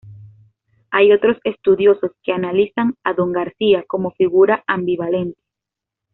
Hay otros estudiosos que analizan a don García como figura ambivalente.